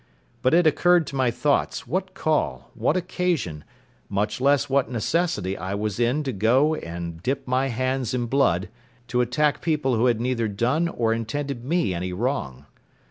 But it occurred to my thoughts, what call, what occasion, much less what necessity I was in to go and dip my hands in blood, to attack people who had neither done or intended me any wrong?